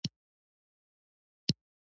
زه را جګ شوم، را نږدې شو، کېناست.